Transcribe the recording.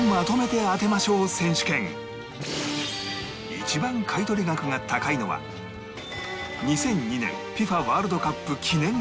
一番買取額が高いのは２００２年 ＦＩＦＡ ワールドカップ記念コイン